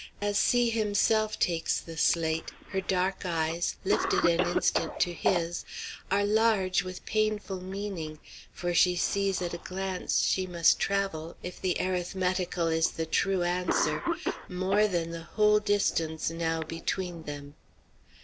As C himself takes the slate, her dark eyes, lifted an instant to his, are large with painful meaning, for she sees at a glance she must travel if the arithmetical is the true answer more than the whole distance now between them.